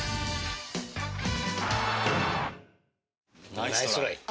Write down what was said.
ナイストライ